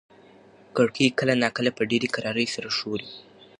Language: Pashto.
کړکۍ کله ناکله په ډېرې کرارۍ سره ښوري.